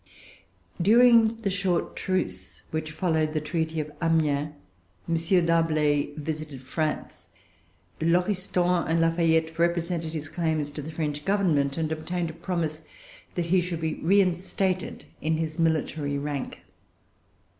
During the short truce which followed the treaty of Amiens, M. D'Arblay visited France. Lauriston and La Fayette represented his claims to the French government, and obtained a promise that he should be reinstated in his military rank.